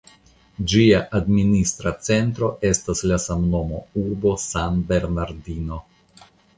Ĝia administra centro estas la samnoma urbo San Bernardino.